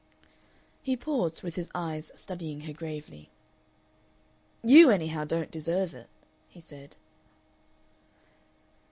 He paused, with his eyes studying her gravely. "You, anyhow, don't deserve it," he said.